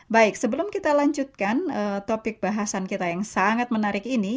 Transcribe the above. baik sebelum kita lanjutkan topik bahasan kita yang sangat menarik ini